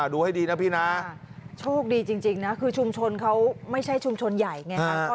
ดูให้ดีนะพี่นะโชคดีจริงนะคือชุมชนเขาไม่ใช่ชุมชนใหญ่ไงครับ